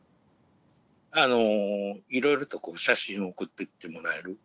あのいろいろと写真を送ってきてもらえる。